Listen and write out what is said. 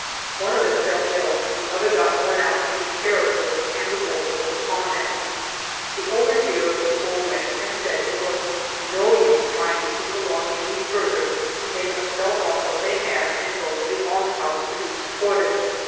One of them fell ill, the other got worn out taking care of her, and the wolf was upon them. The overseer of the poor went and said it was no use trying to keep along any further ; they must sell off what they had, and go to the almshouse to be supported.